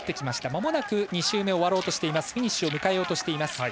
まもなく２周目が終わろうとしています。